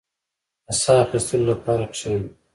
• د ساه اخيستلو لپاره کښېنه.